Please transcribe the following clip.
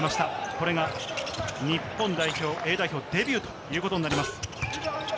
これが日本代表、Ａ代表デビューということになります。